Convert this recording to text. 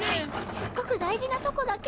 すっごく大事なとこだけ。